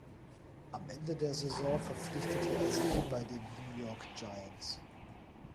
Am Ende der Saison verpflichtete er sich bei den New York Giants.